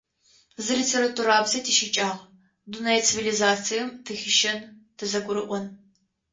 Зы литературабзэ тищыкӀагъ: дунэе цивилизацием тыхищэн; тызэгурыӏон.